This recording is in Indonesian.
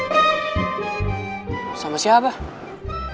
eee bukan kau aja yang punya cinta ngga salah dia juga punya